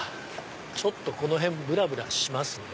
ちょっとこの辺ぶらぶらしますね。